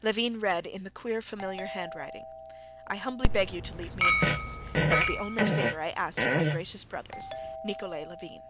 Levin read in the queer, familiar handwriting: "I humbly beg you to leave me in peace. That's the only favor I ask of my gracious brothers.—Nikolay Levin."